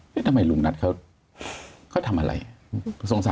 ประสิทธิ์ไม่น้อยนะ